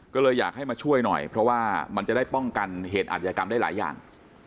ก็เลยอยากให้มาช่วยหน่อยเพราะว่ามันจะได้ป้องกันเหตุอัธยกรรมได้หลายอย่าง